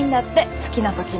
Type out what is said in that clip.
好きな時に。